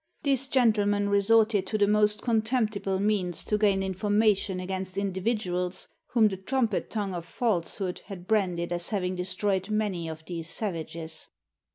These gentlemen resorted to the most contemptible means to gain information against indi viduals, whom the trumpet tongue of falsehood had branded as having destroyed many of these savages.